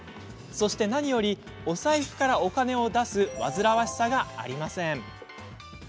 そして何より、お財布からお金を出す煩わしさがありません。